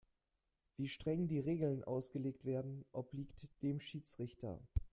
Wie streng die Regeln ausgelegt werden, obliegt dem Schiedsrichter.